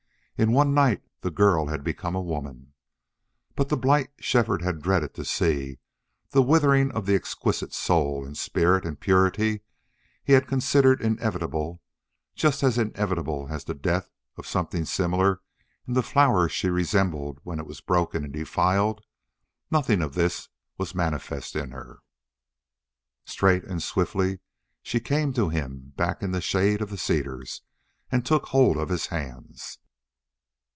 In one night the girl had become a woman. But the blight Shefford had dreaded to see the withering of the exquisite soul and spirit and purity he had considered inevitable, just as inevitable as the death of something similar in the flower she resembled, when it was broken and defiled nothing of this was manifest in her. Straight and swiftly she came to him back in the shade of the cedars and took hold of his hands.